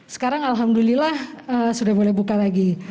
sekarang alhamdulillah sudah boleh buka lagi